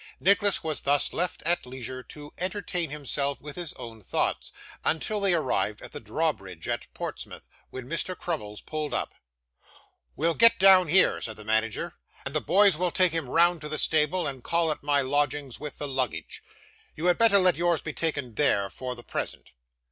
Nicholas was thus left at leisure to entertain himself with his own thoughts, until they arrived at the drawbridge at Portsmouth, when Mr. Crummles pulled up. 'We'll get down here,' said the manager, 'and the boys will take him round to the stable, and call at my lodgings with the luggage. You had better let yours be taken there, for the present.